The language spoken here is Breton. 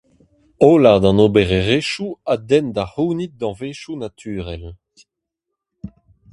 Hollad an obererezhioù a denn da c'hounit danvezioù naturel.